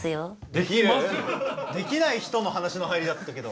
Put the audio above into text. できる？できない人の話の入りだったけど。